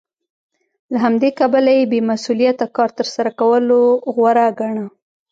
له همدې کبله یې بې مسوولیته کار تر سره کولو غوره ګاڼه